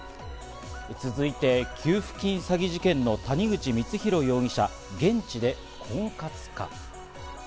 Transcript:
続いて、給付金詐欺事件の谷口光弘容疑者、現地で婚活か。